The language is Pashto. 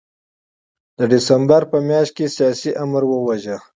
د ډسمبر په میاشت کې سیاسي آمر وواژه.